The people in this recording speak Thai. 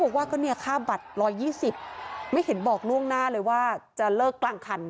พ่อบอกว่านี่ค่าบัตรรวจยี่สิบไม่เห็นบอกนวงหน้าเลยว่าจะเลิกกล้างคัน